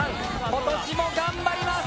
今年も頑張ります。